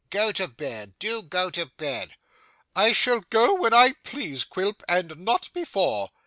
Go to bed. Do go to bed.' 'I shall go when I please, Quilp, and not before.